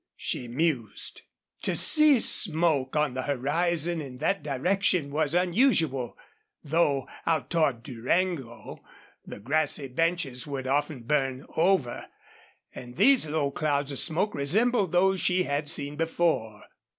she mused. To see smoke on the horizon in that direction was unusual, though out toward Durango the grassy benches would often burn over. And these low clouds of smoke resembled those she had seen before.